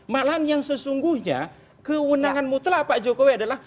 malahan yang sesungguhnya kewenangan mutlak pak jokowi adalah